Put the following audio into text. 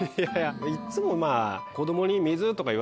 いっつもまぁ。